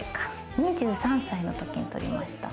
２３歳の時に取りました。